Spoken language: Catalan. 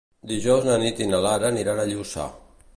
Dijous na Nit i na Lara aniran a Lluçà.